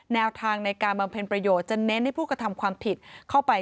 แนวทางในการบำเพ็ญประโยชน์จะเน้นให้ผู้กระทำความผิดเข้าไป